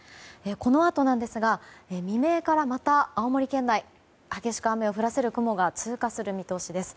このあとですが、未明からまた青森県内激しく雨を降らせる雲が通過する見通しです。